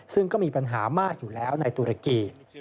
ซึ่งก็มีปัญหามากอยู่แล้วในตุรกี